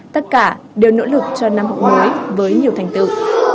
tất cả đều nỗ lực cho năm học mới với nhiều thành tựu